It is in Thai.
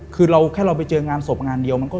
คือแค่เราไปเจองานศพงานเดียว